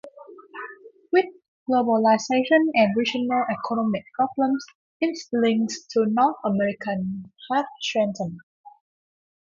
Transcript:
With globalization and regional economic problems, its links to North America have strengthened.